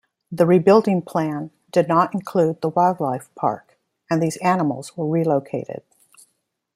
The rebuilding plan did not include the wildlife park and those animals were relocated.